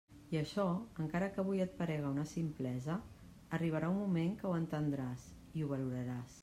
I açò, encara que avui et parega una ximplesa, arribarà un moment que ho entendràs i ho valoraràs.